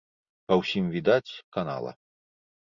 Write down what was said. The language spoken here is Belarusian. Па ўсім відаць, канала.